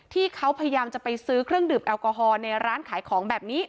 ที่เขาพยายามจะไปซื้อเครื่องดื่มแอลกอฮอลในร้านขายของแบบนี้